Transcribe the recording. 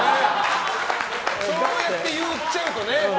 そうやって言っちゃうとね。